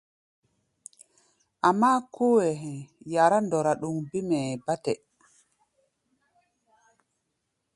Amáá, kóo hɛ̧ɛ̧ yará ndɔra ɗoŋ bêm hɛ̧ɛ̧ bátɛ.